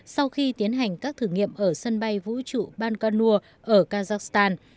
sau khi tiến hành các thử nghiệm ở sân bay vũ trụ bangalore ở kazakhstan